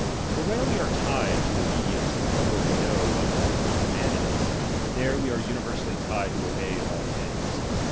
For where we are tied to obedience before we know what will be commanded us, there we are universally tied to obey in all things.